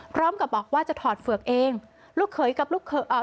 พร้อมกับบอกว่าจะถอดเฝือกเองลูกเขยกับลูกเขยอ่า